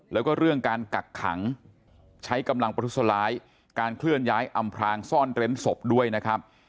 แล้วก็เรื่องการกักขังใช้กำลังประทุษร้ายการเคลื่อนย้ายอำพลางซ่อนเร้นศพด้วยนะครับ